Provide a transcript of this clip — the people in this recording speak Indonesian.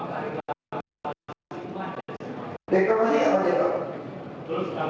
jadi kalau berita dengan